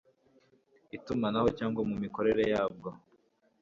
itumanaho cyangwa mu mikorere yabwo